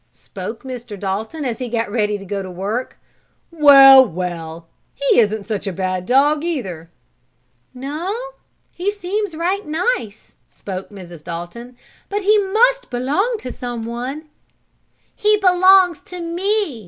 spoke Mr. Dalton, as he got ready to go to work. "Well! Well! He isn't such a bad dog, either." "No, he seems right nice," spoke Mrs. Dalton. "But he must belong to someone." "He belongs to me!"